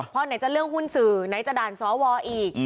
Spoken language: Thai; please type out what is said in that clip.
เพราะไหนจะเรื่องหุ้นสื่อไหนจะด่านสวอีก